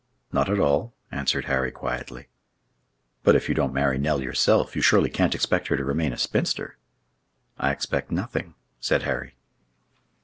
"Not at all," answered Harry quietly. "But if you don't marry Nell yourself, you surely can't expect her to remain a spinster?" "I expect nothing," said Harry.